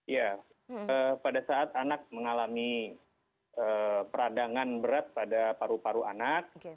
ya pada saat anak mengalami peradangan berat pada paru paru anak